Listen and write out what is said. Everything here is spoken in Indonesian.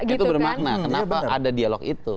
itu bermakna kenapa ada dialog itu